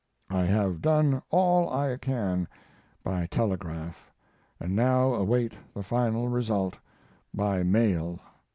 I have done all I can by telegraph, and now await the final result by mail.